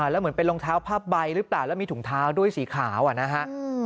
แล้วเหมือนเป็นรองเท้าผ้าใบหรือเปล่าแล้วมีถุงเท้าด้วยสีขาวนะฮะ